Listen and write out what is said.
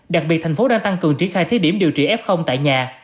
đặc biệt thành phố đang tăng cường tri khai thiết điểm điều trị f tại nhà